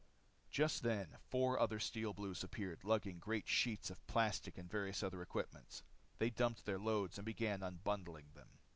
Just then four other Steel Blues appeared lugging great sheets of plastic and various other equipment. They dumped their loads and began unbundling them.